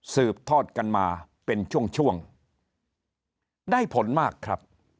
สืบทอดกันมาเป็นช่วงช่วงได้ผลมากครับ